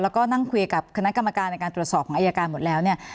แล้วก็นั่งคุยกับคณะกรรมการในการตรวจสอบของอายการหมดแล้วเนี่ย